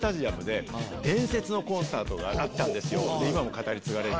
今も語り継がれる。